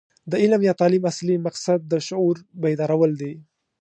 د علم یا تعلیم اصلي مقصد د شعور بیدارول دي.